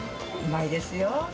うまいですよ。